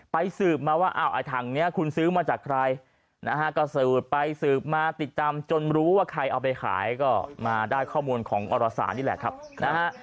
สืบมาว่าอ้าวไอ้ถังนี้คุณซื้อมาจากใครนะฮะก็สืบไปสืบมาติดตามจนรู้ว่าใครเอาไปขายก็มาได้ข้อมูลของอรสารนี่แหละครับนะฮะ